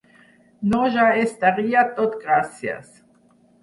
No ja estaria tot gracies.